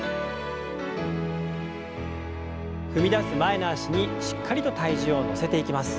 踏み出す前の脚にしっかりと体重を乗せていきます。